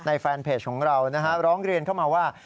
แฟนเพจของเรานะฮะร้องเรียนเข้ามาว่า